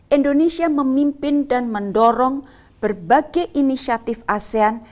indonesia memimpin dan mendorong berbagai inisiatif asean